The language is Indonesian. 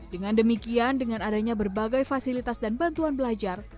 dengan demikian dengan adanya berbagai fasilitas dan bantuan belajar